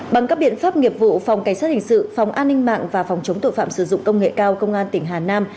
bằng các biện pháp nghiệp vụ phòng cảnh sát hình sự phòng an ninh mạng và phòng chống tội phạm sử dụng công nghệ cao công an tỉnh hà nam